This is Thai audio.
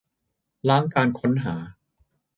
ล้างการค้นหา